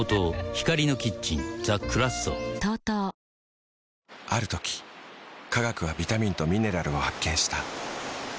光のキッチンザ・クラッソある時科学はビタミンとミネラルを発見した。